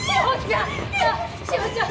志保ちゃん。